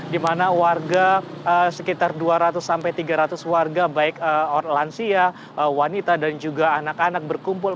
di mana warga sekitar dua ratus sampai tiga ratus warga baik lansia wanita dan juga anak anak berkumpul